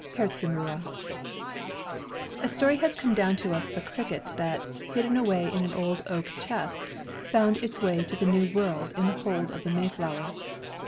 HERZENRUHE. A STORY has come down to us of a cricket that, hidden away in an old oak chest, found its way to the New World in the hold of the Mayflower.